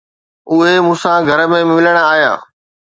اهي مون سان گهر ۾ ملڻ آيا.